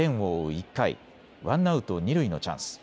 １回、ワンアウト二塁のチャンス。